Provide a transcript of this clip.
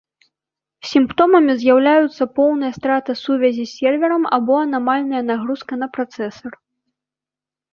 Сімптомамі з'яўляюцца поўная страта сувязі з серверам або анамальная нагрузка на працэсар.